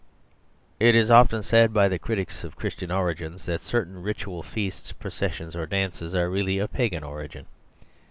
It is often said by the critics of Christian origins that certain ritual feasts, processions or dances are really of pagan origin.